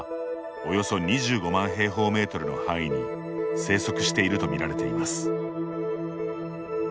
およそ２５万平方メートルの範囲に生息しているとみられています。